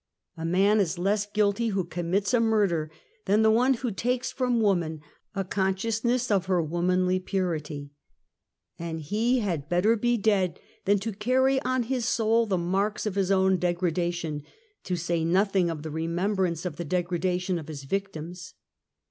A man is less guilty who commits a murder, than the one who takes from woman a consciousness of her womanly purity. And he had better be dead than to carry on his soul the marks of his ow^x degreda tion, to say nothing of the remembrance of the de gredation of his victims.